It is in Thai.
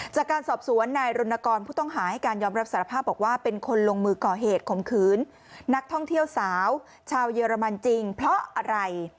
จากการสอบสวนนายรณกรผู้ต้องหาให้การยอมรับสารภาพบอกว่าเป็นคนลงมือก่อเหตุข่มขืนนักท่องเที่ยวสาวชาวเยอรมันจริงเพราะอะไร